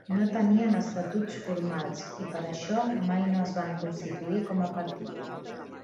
No tenien estatuts formals i per això mai no es van constituir com a partit.